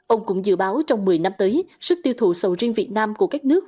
ông cũng dự báo trong một mươi năm tới sức tiêu thụ sầu riêng việt nam của các nước